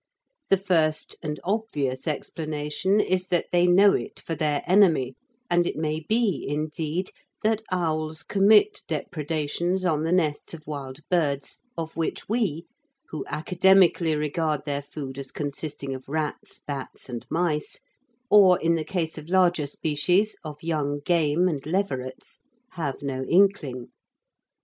The first, and obvious, explanation is that they know it for their enemy, and it may be indeed that owls commit depredations on the nests of wild birds of which we, who academically regard their food as consisting of rats, bats and mice or, in the case of larger species, of young game and leverets have no inkling.